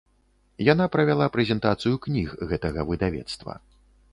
Яна правяла прэзентацыю кніг гэтага выдавецтва.